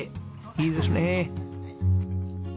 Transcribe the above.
いいですねえ。